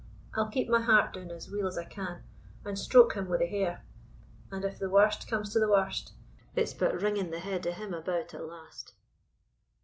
I'll keep my heart doun as weel as I can, and stroke him wi' the hair; and if the warst come to the warst, it's but wringing the head o' him about at last."